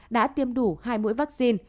đã tiêm đủ hai mũi vaccine